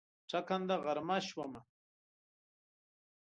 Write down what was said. ټکنده غرمه شومه